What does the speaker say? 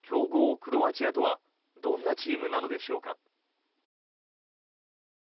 クロアチアとはどんなチームなのでしょうか。